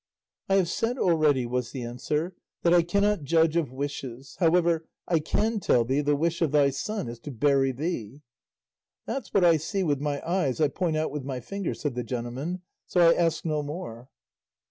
"I have said already," was the answer, "that I cannot judge of wishes; however, I can tell thee the wish of thy son is to bury thee." "That's 'what I see with my eyes I point out with my finger,'" said the gentleman, "so I ask no more."